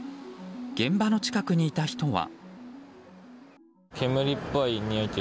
現場の近くにいた人は。